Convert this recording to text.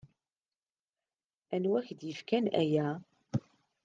Anwa ay ak-d-yefkan aya?